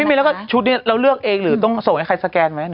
มีแล้วก็ชุดนี้เราเลือกเองหรือต้องส่งให้ใครสแกนไหม